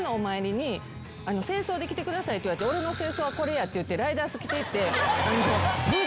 正装で来てくださいって言われて「俺の正装はコレや！」って言ってライダース着ていって。